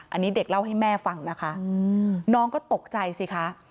อันนี้เด็กเล่าให้แม่ฟังนะคะน้องก็ตกใจสิคะ